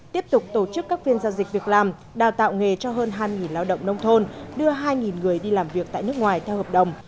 tiếp tục tổ chức các phiên giao dịch việc làm đào tạo nghề cho hơn hai lao động nông thôn đưa hai người đi làm việc tại nước ngoài theo hợp đồng